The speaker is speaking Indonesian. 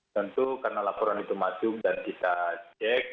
tentu karena laporan itu masuk dan kita cek